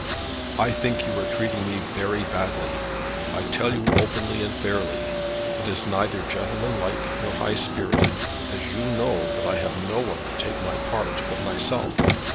"I think you are treating me very badly. I tell you openly and fairly. It is neither gentlemanlike or high spirited, as you know that I have no one to take my part but myself.